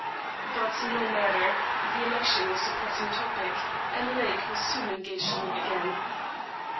But, no matter; the election was the pressing topic, and Lake was soon engaged in it again.